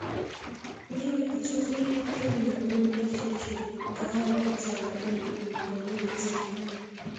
n'ihi ọtụtụ ihe ọjọọ na ọghọm dị icheiche nke ahụ pụrụ iwètà.